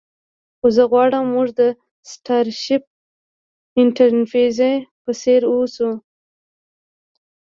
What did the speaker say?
خو زه غواړم موږ د سټارشیپ انټرپریز په څیر اوسو